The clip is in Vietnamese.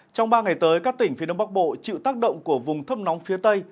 trong ba ngày tới các tỉnh phía đông bắc bộ chịu tác động của vùng thấp nóng phía tây